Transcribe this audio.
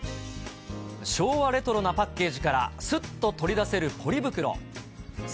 昭和レトロなパッケージからすっと取り出せるポリ袋。